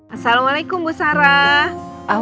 assalamualaikum bu sarah